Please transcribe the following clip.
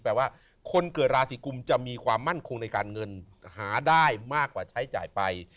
แปลว่าคนเกิดราศีกุมจะมีความมั่นคงในการเงินหาได้มากกว่าใช้จ่ายไป